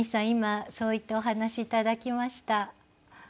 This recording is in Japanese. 今そういったお話頂きました。